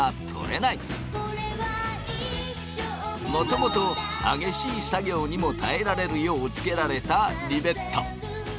もともと激しい作業にも耐えられるようつけられたリベット。